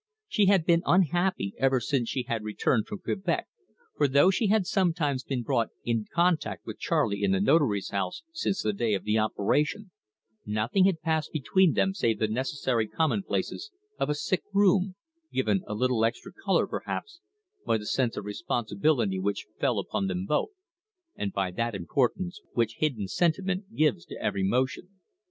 She had been unhappy ever since she had returned from Quebec, for though she had sometimes been brought in contact with Charley in the Notary's house since the day of the operation, nothing had passed between them save the necessary commonplaces of a sick room, given a little extra colour, perhaps, by the sense of responsibility which fell upon them both, and by that importance which hidden sentiment gives to every motion.